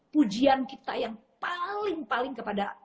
pujian kita yang paling paling kepada